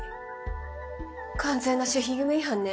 完全な守秘義務違反ね。